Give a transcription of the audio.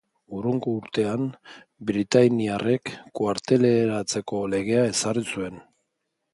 Hurrengo urtean, britainiarrek Kuarteleratzeko legea ezarri zuen.